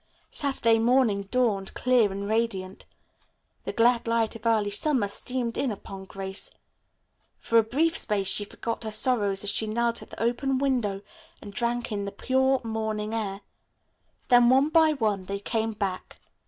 Saturday morning dawned, clear and radiant. The glad light of early summer streamed in upon Grace. For a brief space she forgot her sorrows as she knelt at the open window and drank in the pure morning air. Then one by one they came back.